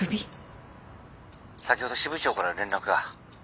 先ほど支部長から連絡が。